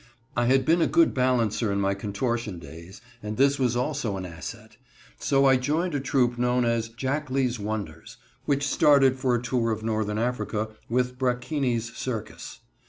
I had been a good balancer in my contortion days, and this was also an asset. So I joined a troupe known as "Jackley's Wonders," which started for a tour of Northern Africa with Brachini's circus.